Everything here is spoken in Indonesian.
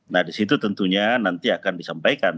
nah di situ tentunya nanti akan disampaikan